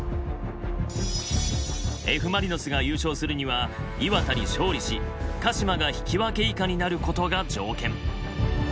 Ｆ・マリノスが優勝するには磐田に勝利し鹿島が引き分け以下になることが条件。